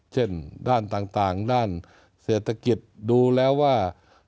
เช่นด้านต่างด้านเศรษฐกิจดูแล้วว่า